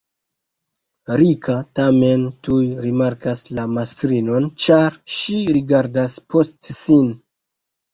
Rika tamen tuj rimarkas la mastrinon, ĉar ŝi rigardas post sin.